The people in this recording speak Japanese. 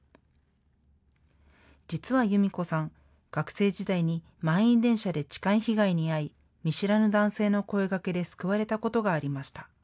実は由美子さん、学生時代に満員電車で痴漢被害に遭い見知らぬ男性の声がけで救われたことがありました。